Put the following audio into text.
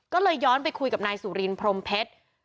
ก็เลยย้อนไปคุยกับนายสุรินพรมเพชร